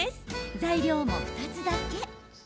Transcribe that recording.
材料も２つだけ。